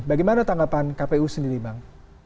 bagaimana tanggapan kpu sendiri bang